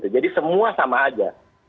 jadi semua sama aja